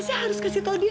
saya harus kasih tahu dia